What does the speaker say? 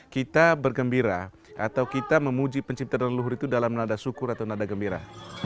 kita bergembira atau kita memuji pencipta dan leluhur itu dalam nada syukur atau nada gembira